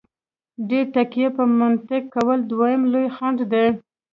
ډېره تکیه په منطق کول دویم لوی خنډ دی.